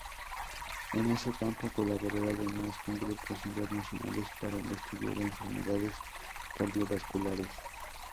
En ese campo colabora además con grupos internacionales para el estudio de enfermedades cardiovasculares.